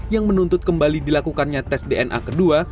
yang menuntut kembali dilakukannya tes dna kedua